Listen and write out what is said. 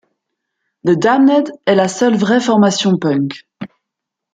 The Damned est la seule vraie formation punk.